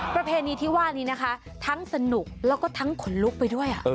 ประเพณีที่ว่านี้นะคะทั้งสนุกแล้วก็ทั้งขนลุกไปด้วย